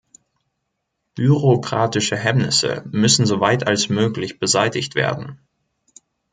Bürokratische Hemmnisse müssen so weit als möglich beseitigt werden.